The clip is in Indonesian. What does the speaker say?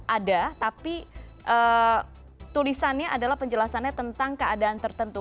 ada tapi tulisannya adalah penjelasannya tentang keadaan tertentu